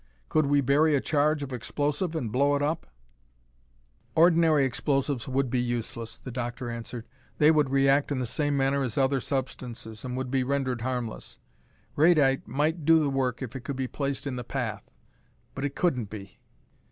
"Could we bury a charge of explosive and blow it up?" "Ordinary explosives would be useless," the doctor answered. "They would react in the same manner as other substances, and would be rendered harmless. Radite might do the work if it could be placed in the path, but it couldn't be.